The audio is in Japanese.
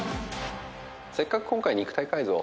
せっかく今回肉体改造